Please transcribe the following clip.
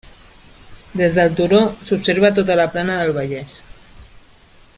Des del turó, s'observa tota la plana del Vallès.